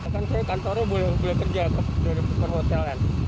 saya bisa kerja dari perhotelan